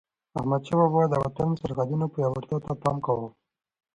احمدشاه بابا به د وطن د سرحدونو پیاوړتیا ته پام کاوه.